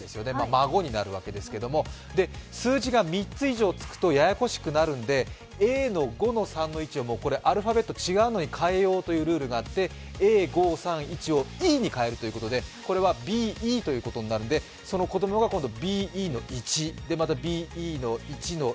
孫になるわけですけれども、数字が３つ以上つくとややこしくなるのでＡの５．３１のアルファベット、違うのに変えようというルールがあってＡ５．３．１をＥに変えるということで、これはＢＥということになるので、その子供が今度ＢＥ１、